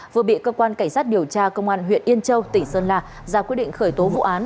vừa bị cơ quan cảnh sát điều tra công an huyện yên châu tỉnh sơn la ra quyết định khởi tố vụ án